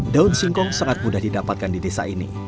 daun singkong sangat mudah didapatkan di desa ini